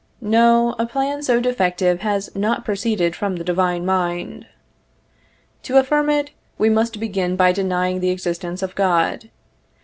No; a plan so defective has not proceeded from the Divine Mind. To affirm it, we must begin by denying the existence of God.